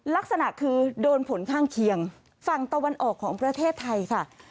ลักษณะคือโดนผลข้างเคียงฝั่งตะวันออกของประเทศไทยค่ะ